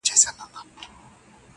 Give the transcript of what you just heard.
د انصاف په تله خپل او پردي واړه,